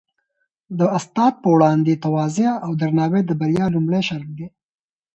د استاد په وړاندې تواضع او درناوی د بریا لومړی شرط دی.